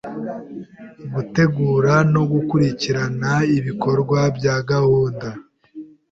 Gutegura no gukurikirana ibikorwa bya gahunda